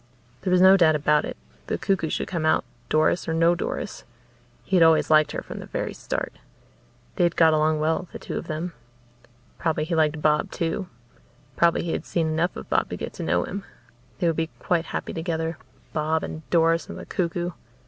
There was no doubt about it the cuckoo should come out, Doris or no Doris. He had always liked her, from the very start. They had got along well, the two of them. Probably he liked Bob too probably he had seen enough of Bob to get to know him. They would be quite happy together, Bob and Doris and the cuckoo.